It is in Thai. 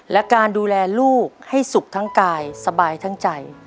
และการดูแลลูกให้สุขทั้งกายสบายทั้งใจ